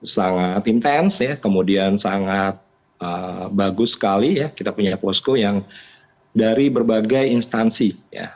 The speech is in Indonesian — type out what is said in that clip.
sangat intens ya kemudian sangat bagus sekali ya kita punya posko yang dari berbagai instansi